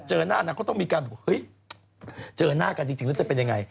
เจอหน้านางก็ต้องมีการบอกเฮ้ยเจอหน้ากันจริงแล้วจะเป็นยังไง